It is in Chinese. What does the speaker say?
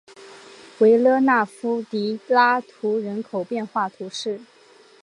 维勒纳夫迪拉图人口变化图示